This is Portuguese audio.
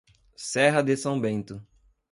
Serra de São Bento